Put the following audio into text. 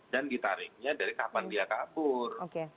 dan ditariknya dari kapan dia kabur